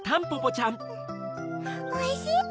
おいしいポ！